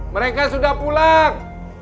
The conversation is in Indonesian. mereka sudah pulang